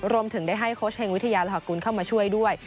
รวมถึงได้ให้โค้ชเฮงวิทยาลหกุลเข้ามาช่วยด้วย